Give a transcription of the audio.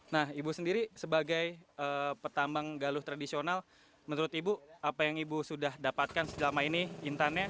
nah ibu sendiri sebagai petambang galuh tradisional menurut ibu apa yang ibu sudah dapatkan selama ini intannya